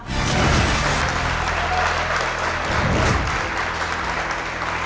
เราไม่ได้หมดหน้าที่กระเทียนแค่นี้